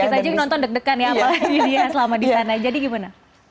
kita juga nonton deg degan ya apalagi dia selamat di sana jadi gimana